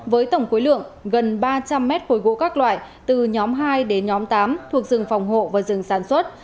với tổng khối lượng gần ba trăm linh mét khối gỗ các loại từ nhóm hai đến nhóm tám thuộc rừng phòng hộ và rừng sản xuất